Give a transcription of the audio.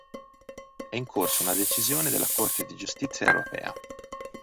È in corso una decisione della Corte di giustizia europea.